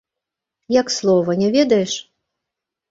Як слова, не ведаеш?